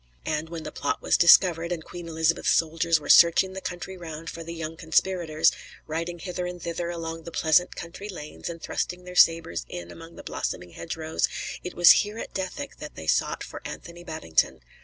And when the plot was discovered, and Queen Elizabeth's soldiers were searching the country round for the young conspirators, riding hither and thither along the pleasant country lanes and thrusting their sabres in among the blossoming hedgerows, it was here at Dethick that they sought for Anthony Babington.